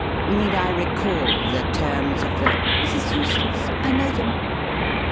Need I recall the terms of the ?" VANNA. It is useless I know them.